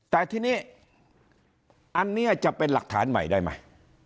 แต่ทีนี้อันนี้จะเป็นหลักฐานใหม่ได้ไหม